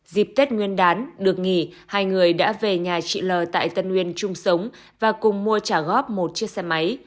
dịp tết nguyên đán được nghỉ hai người đã về nhà chị l tại tân uyên chung sống và cùng mua trả góp một chiếc xe máy